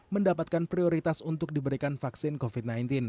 mendapatkan prioritas untuk diberikan vaksin covid sembilan belas